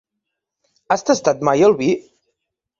Has tastat mai el vi?